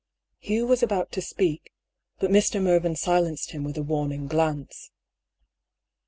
Hugh was about to speak, but Mr. Mervyn silenced him with a warning glance.